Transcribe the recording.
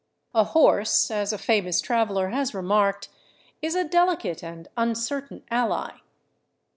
A horse, as a famous traveler has remarked, is a delicate and uncertain ally.